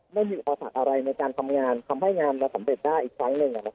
ไม่มีอาสักอะไรในการทำงานทำให้งานมาสำเร็จได้อีกครั้งหนึ่งอ่ะครับ